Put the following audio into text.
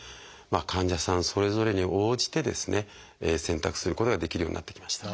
患者さんそれぞれに応じてですね選択することができるようになってきました。